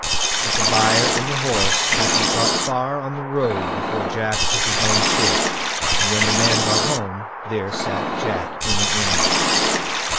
But the buyer and the horse hadn't got far on the road before Jack took his own shape, and when the man got home, there sat Jack in the ingle.